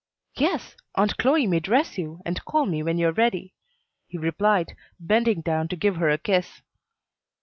"Yes; Aunt Chloe may dress you, and call me when you are ready," he replied, bending down to give her a kiss.